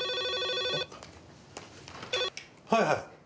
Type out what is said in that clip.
はいはい。